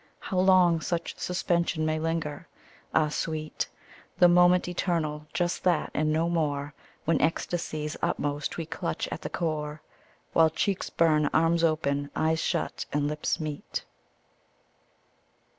How long such suspension may linger ? Ah, Sweet — The moment eternal — just that and no more— When ecstasy's utmost we clutch at the core While cheeks bum, arms open, eyes shut and lips meet